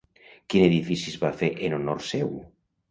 Quin edifici es va fer en honor seu?